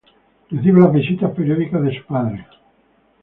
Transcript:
Recibe las visitas periódicas de su padre.